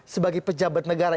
sebagai pejabat negara